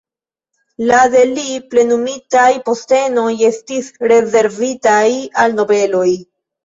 La de li plenumitaj postenoj estis rezervitaj al nobeloj.